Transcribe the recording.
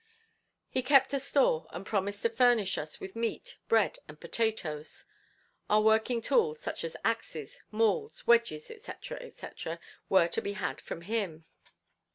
He kept a store and promised to furnish us with meat, bread and potatoes; our working tools such as axes, mauls, wedges, &c., &c., were to be had from him.